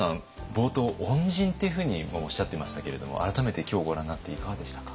冒頭恩人っていうふうにもおっしゃってましたけれども改めて今日ご覧になっていかがでしたか？